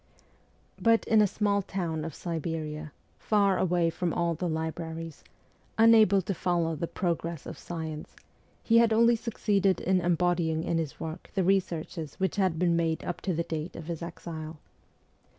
But in a small town of Siberia, far away from all the libraries, unable to follow the progress of science, he had only succeeded in embodying in his work the researches which had been done up to the date of his exile.